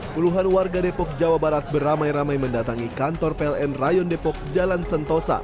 puluhan warga depok jawa barat beramai ramai mendatangi kantor pln rayon depok jalan sentosa